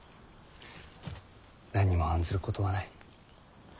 何も案ずることはない。